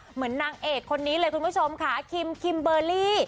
นางเอกคนนี้เลยคุณผู้ชมค่ะคิมคิมเบอร์รี่